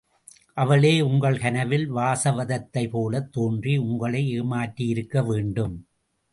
அவளே உங்கள் கனவில் வாசவதத்தை போலத் தோன்றி, உங்களை ஏமாற்றியிருக்க வேண்டும்!